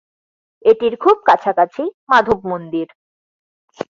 এটির খুব কাছাকাছি মাধব মন্দির।